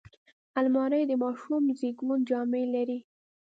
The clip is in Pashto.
الماري د ماشوم د زیږون جامې لري